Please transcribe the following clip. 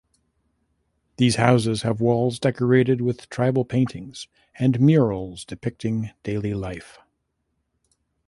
These houses have walls decorated with tribal paintings and murals depicting daily life.